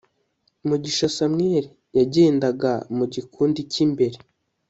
mugisha samueli yagendaga mugikundi kimbere